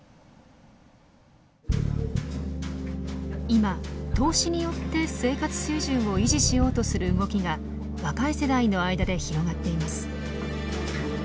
今投資によって生活水準を維持しようとする動きが若い世代の間で広がっています。